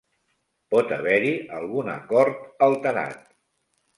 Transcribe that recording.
Pot haver-hi algun acord alterat.